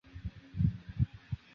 另外写入速度有微小的降低。